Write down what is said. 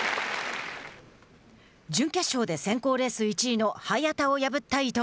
準決勝で選考レース１位の早田を破った伊藤。